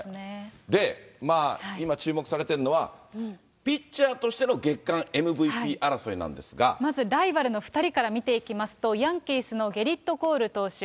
で、まあ、今注目されているのは、ピッチャーとしての月間ＭＶＰ争いなんでまずライバルの２人から見ていきますと、ヤンキースのゲリット・コール投手。